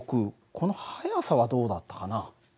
この速さはどうだったかな？